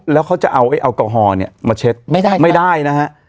แล้วเขาจะเอาแอลกอฮอล์เนี่ยมาเช็ดไม่ได้ไม่ได้นะฮะ